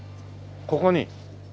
ここに。